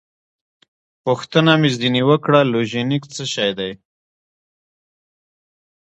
پوښتنه مې ځینې وکړه: لوژینګ څه شی دی؟